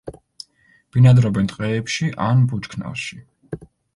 ბინადრობენ ტყეებში ან ბუჩქნარში.